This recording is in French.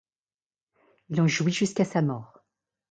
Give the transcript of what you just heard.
Il en jouit jusqu’à sa mort.